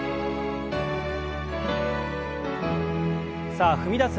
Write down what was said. さあ踏み出す